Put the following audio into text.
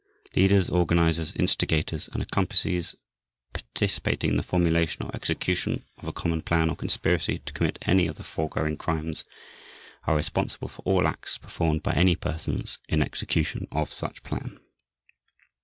Leaders, organizers, instigators, and accomplices participating in the formulation or execution of a Common Plan or Conspiracy to commit any of the foregoing crimes are responsible for all acts performed by any persons in execution of such plan.